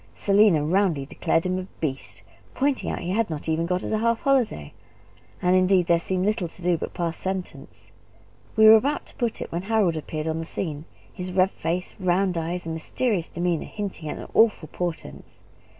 Selina roundly declared him a beast, pointing out that he had not even got us a half holiday; and, indeed, there seemed little to do but to pass sentence. We were about to put it, when Harold appeared on the scene; his red face, round eyes, and mysterious demeanour, hinting at awful portents.